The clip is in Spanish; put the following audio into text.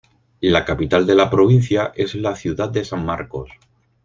La capital de la provincia es la ciudad de San Marcos.